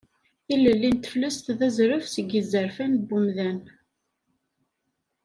Tilelli n teflest d azref seg izerfan n wemdan.